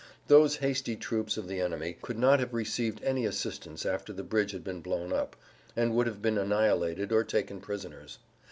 Those hasty troops of the enemy could not have received any assistance after the bridge had been blown up, and would have been annihilated or taken prisoners.